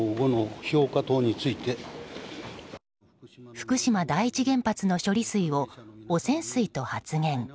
福島第一原発の処理水を汚染水と発言。